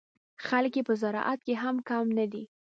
خلک یې په زراعت کې هم کم نه دي.